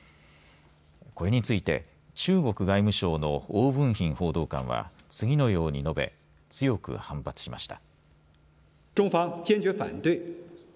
これについて中国外務省の汪文斌報道官は次のように述べ強く反発しました。